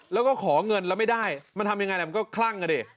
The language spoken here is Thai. แล้วก็ขอเงินแล้วไม่ได้มันทำยังไงแหละมันก็คลั่งอ่ะดิ